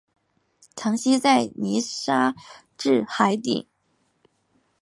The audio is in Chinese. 常栖息在泥沙质海底。